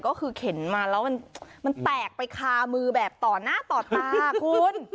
ก็คือเข็นมาแล้วมันแตกไปคามือแบบต่อหน้าต่อตาคุณ